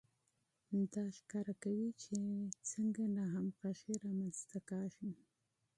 دا ښيي چې څنګه ناهمغږي رامنځته کیږي.